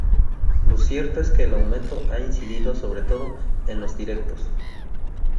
lo cierto es que el aumento ha incidido sobre todo en los directos